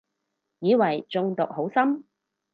以為中毒好深